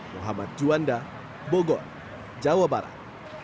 muhammad juanda bogor jawa barat